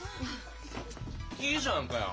いいじゃんかよ。